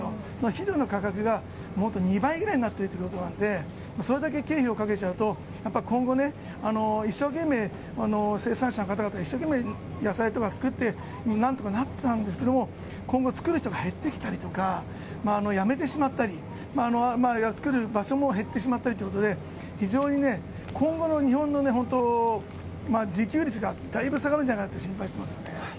肥料の価格が２倍ぐらいになってるということなので、それだけ経費をかけちゃうと、やっぱり今後ね、一生懸命生産者の方々、一生懸命野菜とか作って、なんとかなってたんですけども、今後作る人が減ってきたりとか、やめてしまったり、作る場所も減ってしまったりということで、非常に今後の日本の本当、自給率がだいぶ下がるんじゃないかなって心配してますね。